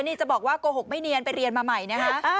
นี่จะบอกว่าโกหกไม่เนียนไปเรียนมาใหม่นะฮะ